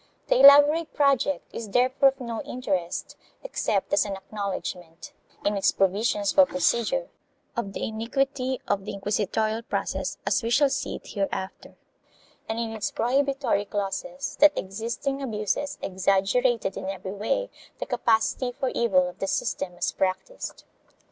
The elaborate project is therefore of no interest except as an acknowledgement, in its provisions for procedure, of the iniquity of the inquisitorial process as we shall see it hereafter, and, in its prohibitory clauses, that existing abuses exaggerated in every way the capacity for evil of the system as practised.